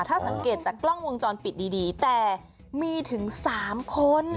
ถ้าสังเกตจากกล้องวงจรปิดดีแต่มีถึง๓คน